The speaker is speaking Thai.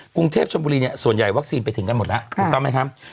กรุงเทพชนบุรีเนี่ยส่วนใหญ่วัคซีนไปถึงกันหมดแล้วถูกต้องไหมครับ